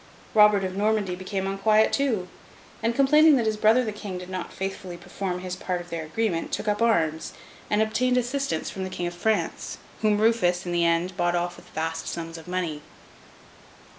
Robert of Normandy became unquiet too; and, complaining that his brother the King did not faithfully perform his part of their agreement, took up arms, and obtained assistance from the King of France, whom Rufus, in the end, bought off with vast sums of money.